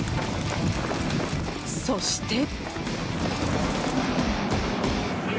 そして。